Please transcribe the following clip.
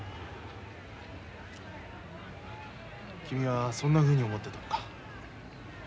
君はそんなふうに思ってたのか。